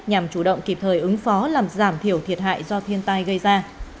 nhằm chủ động kịp thời ứng phó làm giảm thiểu thiệt hại do thiên tai gây ra